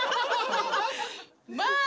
まあ！